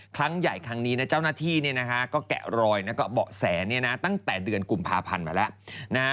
ครั้งใหญ่ครั้งนี้เจ้าหน้าที่ก็แกะรอยแล้วก็เบาะแสตั้งแต่เดือนกุมภาพันธ์มาแล้ว